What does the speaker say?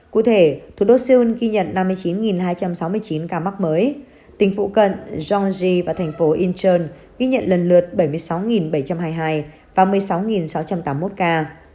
cụ thể thủ đô seoul ghi nhận năm mươi chín hai trăm sáu mươi chín ca mắc mới tỉnh phụ cận georngi và thành phố incheon ghi nhận lần lượt bảy mươi sáu bảy trăm hai mươi hai và một mươi sáu sáu trăm tám mươi một ca